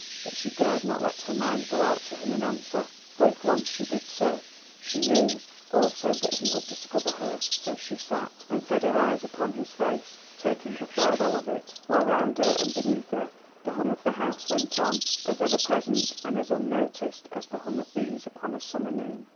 But she dared not let her mind go out to him in answer, for, if once she did so, she knew also that he would discover her. So she sat, and fed her eyes upon his face, taking her farewell of it, while round her, and beneath her, the hum of the House went on, as ever present and as unnoticed as the hum of bees upon a summer noon.